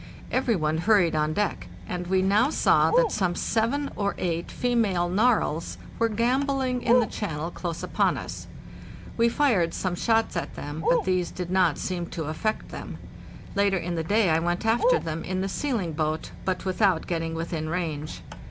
Every one hurried on deck, and we now saw that some seven or eight female narwhals were gambolling in the channel close upon us. We fired some shots at them, but these did not seem to affect them. Later in the day I went after them in the sealing boat, but without getting within range.